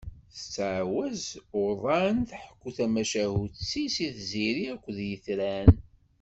Tettɛawaz uḍan tḥekku tamacahut-is i tziri akked yitran.